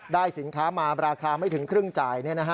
ได้สินค้ามาราคาไม่ถึงครึ่งจ่าย